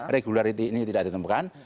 regularity ini tidak ditemukan